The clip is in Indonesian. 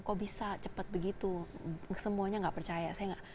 kok bisa cepat begitu semuanya gak percaya